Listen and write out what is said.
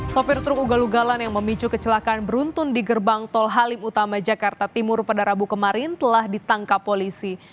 sopir truk ugal ugalan yang memicu kecelakaan beruntun di gerbang tol halim utama jakarta timur pada rabu kemarin telah ditangkap polisi